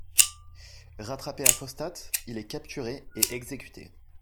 Rattrapé à Fostat, il est capturé et exécuté.